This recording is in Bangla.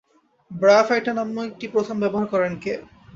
ব্রায়োফাইটা নামটি প্রথম ব্যবহার করেন কে?